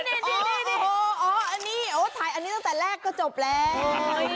อันนี้ตั้งแต่แรกก็จบแล้ว